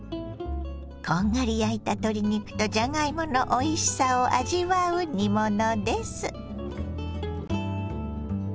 こんがり焼いた鶏肉とじゃがいものおいしさを味わう煮物です。